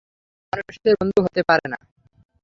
সে মানুষের বন্ধু হতে পারে না।